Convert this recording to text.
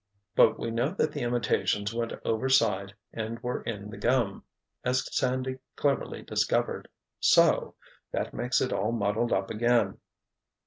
But we know that the imitations went overside and were in the gum—as Sandy cleverly discovered. So—that makes it all muddled up again!"